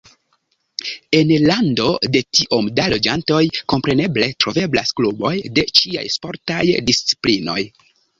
En lando de tiom da loĝantoj, kompreneble troveblas kluboj de ĉiaj sportaj disciplinoj.